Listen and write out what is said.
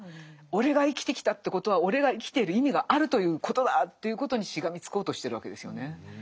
俺が生きてきたってことは俺が生きている意味があるということだということにしがみつこうとしてるわけですよね。